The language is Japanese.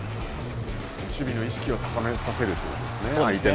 守備の意識を高めさせるということですね。